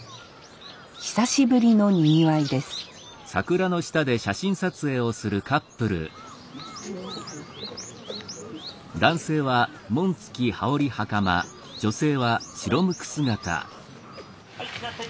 久しぶりのにぎわいですはいじゃあ。